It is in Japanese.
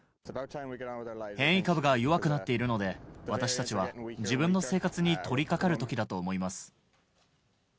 変異株が弱くなっているので、私たちは自分の生活に取りかかるときだと思います。